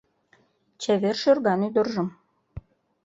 Чевер шӱрган ӱдыржым